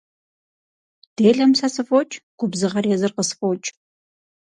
Делэм сэ сыфӀокӀ, губзыгъэр езыр къысфӀокӀ.